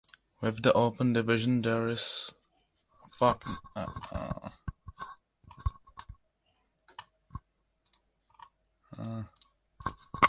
With the open division, there were eight competitions, which were restricted to male judoka.